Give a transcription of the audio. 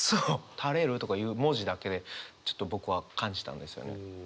「垂れる」とかいう文字だけでちょっと僕は感じたんですよね。